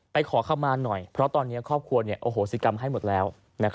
ไปขอข้อมานหน่อยเพราะตอนนี้ครอบครัวสิทธิ์กรรมให้หมดแล้ว